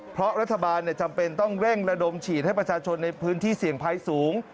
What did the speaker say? เพราะรัฐบาลจำเป็นต้องเร่งระดมฉีดให้ประชาชนในพื้นที่เสี่ยงภัยสูง